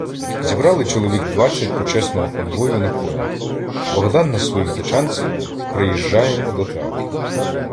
Зібрали чоловік двадцять "почесного конвою" на конях, Богдан на своїй тачанці — приїжджаємо до театру.